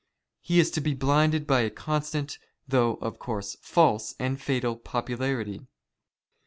He is to be blinded by a constant, though, of course, false, and fatal popularity.